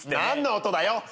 何の音だよ。